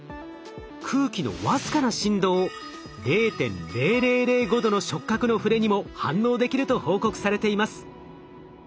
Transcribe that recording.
空気の僅かな振動０．０００５度の触角のふれにも反応できると報告されています。